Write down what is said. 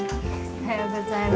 おはようございます。